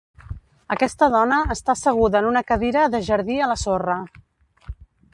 Aquesta dona està asseguda en una cadira de jardí a la sorra.